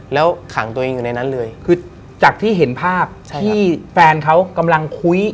แล้วขังตัวเองอยู่ในนั้นเลยคือจากที่เห็นภาพที่แฟนเขากำลังคุย